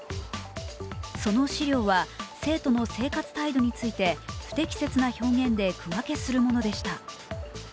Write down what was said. その資料は、生徒の生活態度について不適切な表現で区分けするものでした。